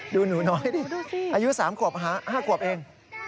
ดูหนูน้อยดิอายุ๓๕ขวบเอง